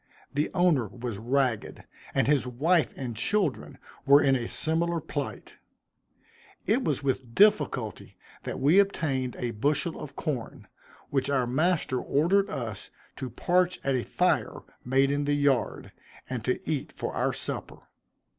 The owner was ragged, and his wife and children were in a similar plight. It was with difficulty that we obtained a bushel of corn, which our master ordered us to parch at a fire made in the yard, and to eat for our supper.